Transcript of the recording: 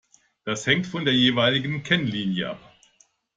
Das hängt von der jeweiligen Kennlinie ab.